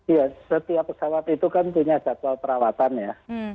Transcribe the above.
iya setiap pesawat itu kan punya jadwal perawatan ya